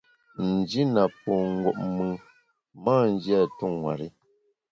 N’ji na po ngup mùn, m’a nji a tu nwer-i.